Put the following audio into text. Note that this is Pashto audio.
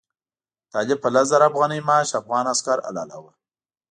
طالب په لس زره افغانۍ معاش افغان عسکر حلالاوه.